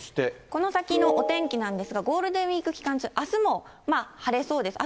この先のお天気なんですが、ゴールデンウィーク期間中、あすも晴れそうです。